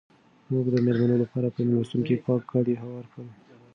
موږ د مېلمنو لپاره په مېلمستون کې پاک کالي هوار کړل.